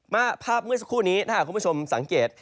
ภาพเมื่อสักครู่นี้ถ้าหากคุณผู้ชมสังเกต